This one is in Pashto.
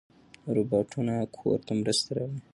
روباټونه کور ته مرسته راوړي.